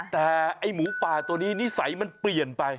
แต่ไอ้หมูป่าตัวนี้นิสัยมันเปลี่ยนไป